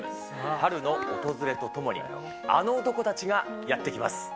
春の訪れとともに、あの男たちがやって来ます。